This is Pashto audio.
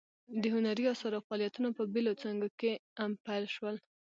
د هنري اثارو فعالیتونه په بیلو څانګو کې پیل شول.